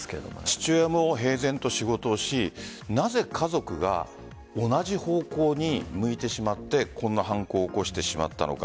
父親も平然と仕事をしなぜ家族が同じ方向に向いてしまってこんな犯行を起こしてしまったのか。